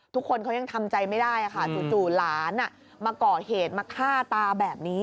ทุกคนเขายังทำใจไม่ได้ค่ะจู่หลานมาก่อเหตุมาฆ่าตาแบบนี้